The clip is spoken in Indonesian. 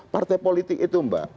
partai politik itu mbak